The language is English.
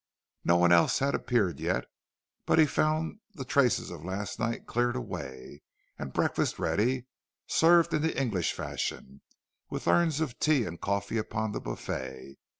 No one else had appeared yet, but he found the traces of last night cleared away, and breakfast ready—served in English fashion, with urns of tea and coffee upon the buffet.